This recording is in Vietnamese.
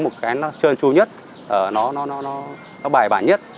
một cái nó trơn tru nhất nó bài bản nhất